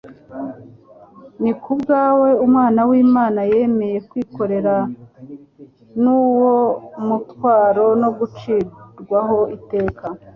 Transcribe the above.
Ni ku bwawe Umwana w'Imana yemeye kwikorera nwo mutwaro no gucirwaho iteka,